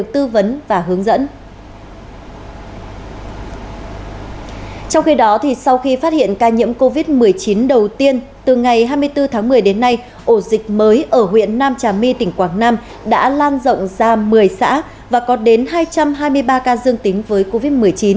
trong khi đó sau khi phát hiện ca nhiễm covid một mươi chín đầu tiên từ ngày hai mươi bốn tháng một mươi đến nay ổ dịch mới ở huyện nam trà my tỉnh quảng nam đã lan rộng ra một mươi xã và có đến hai trăm hai mươi ba ca dương tính với covid một mươi chín